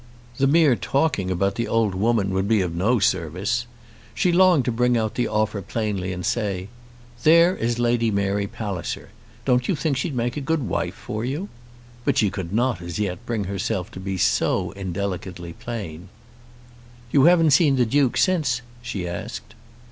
The mere talking about the old woman would be of no service. She longed to bring out the offer plainly, and say, "There is Lady Mary Palliser. Don't you think she'd make a good wife for you?" But she could not, as yet, bring herself to be so indelicately plain. "You haven't seen the Duke since?" she asked.